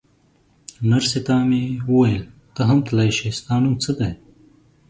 نرسې ته مې وویل: ته هم تلای شې، ستا نوم څه دی؟